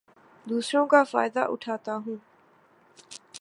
دوسروں کا فائدہ اٹھاتا ہوں